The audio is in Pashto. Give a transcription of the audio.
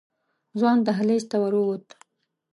ځوان دهلېز ته ورو ووت.